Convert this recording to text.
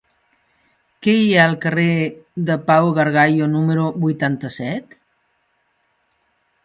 Què hi ha al carrer de Pau Gargallo número vuitanta-set?